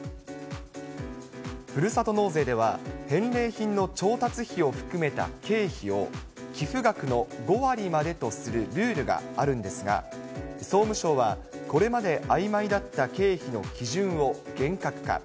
ふるさと納税では、返礼品の調達費を含めた経費を寄付額の５割までとするルールがあるんですが、総務省は、これまであいまいだった経費の基準を厳格化。